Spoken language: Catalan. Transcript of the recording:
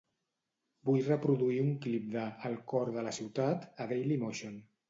Vull reproduir un clip de "El cor de la ciutat" a Dailymotion.